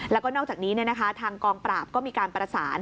แล้วก็นอกจากนี้ทางกองปราบก็มีการประสาน